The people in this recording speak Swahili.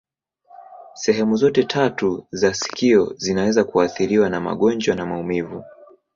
Sehemu zote tatu za sikio zinaweza kuathiriwa na magonjwa na maumivu.